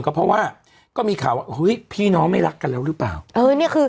ก็เพราะว่าก็มีข่าวว่าเฮ้ยพี่น้องไม่รักกันแล้วหรือเปล่าเออเนี้ยคือ